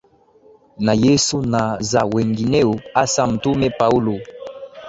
na Yesu na za wengineo hasa Mtume Paulo